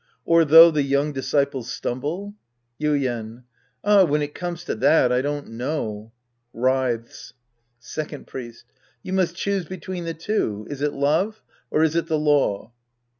Or though the young disciples stumble ? Yuien. Ah, when it comes to that, I don't know. {Writhes^ Second Priest. You must choose between the two. Is it love, or is it the law